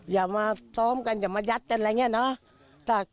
อย่ามาซ้อมกันอย่ามายัดกันอะไรอย่างนี้เนอะ